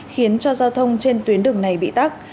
khiến cho giao thông trên tuyến đường này bị tắt